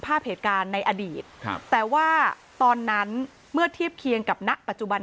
ภาพเหตุการณ์ในอดีตแต่ว่าตอนนั้นเมื่อเทียบเคียงกับณปัจจุบัน